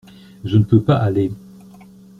Je ne peux pas aller.